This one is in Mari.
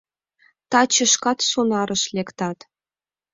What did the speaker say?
Таче шкат сонарыш лектат.